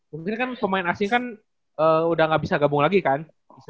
mungkin kan pemain asing kan udah gak bisa gabung lagi kan